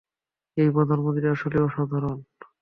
এই প্রধানমন্ত্রী আসলেই অসাধারণ!